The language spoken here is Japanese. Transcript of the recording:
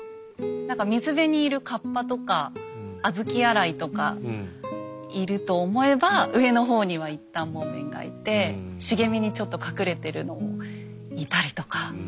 何か水辺にいる河童とか小豆洗いとかいると思えば上の方には一反もめんがいて茂みにちょっと隠れてるのもいたりとか。